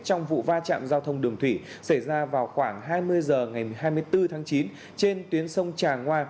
trong vụ va chạm giao thông đường thủy xảy ra vào khoảng hai mươi h ngày hai mươi bốn tháng chín trên tuyến sông trà ngoa